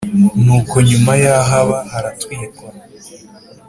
Nuko nyuma yaho Aba haratwikwa